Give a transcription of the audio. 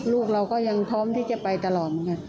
ลูกเราก็ยังพร้อมที่จะไปตลอดเหมือนกัน